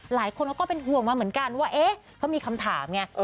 หลายคนเขาก็เป็นห่วงมาเหมือนกันว่าเอ๊ะเขามีคำถามไง